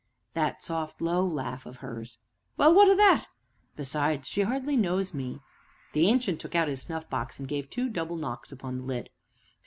"That soft, low laugh of hers." "Well, what o' that?" "Besides, she hardly knows me!" The Ancient took out his snuff box and gave two loud double knocks upon the lid.